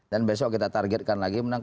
dan besok kita targetkan lagi menang